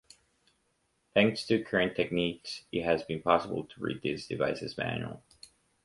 Thanks to current techniques, it has been possible to read this device’s manual.